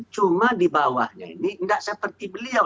cuma di bawahnya ini nggak seperti beliau